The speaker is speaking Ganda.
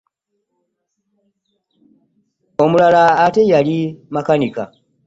Omulala ate yali makanika.